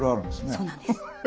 そうなんです。